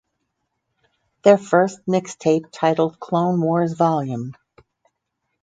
Their first mixtape titled Clone Wars Vol.